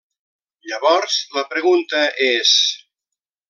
Llavors, la pregunta és: